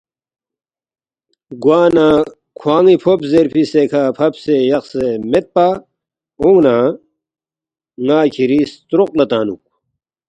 گوانہ کھوان٘ی فوب زیرفی سےکھہ فبسے یقسے میدپا اونگ نہ ن٘ا کِھری ستروق لا تنگنُوک